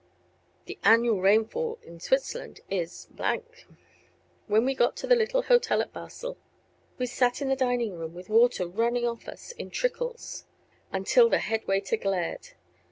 (The annual rainfall in Switzerland is .) When we got to the little hotel at Basel we sat in the dining room with water running off us in trickles, until the head waiter glared.